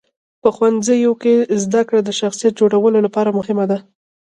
په ښوونځیو کې زدهکړه د شخصیت جوړولو لپاره مهمه ده.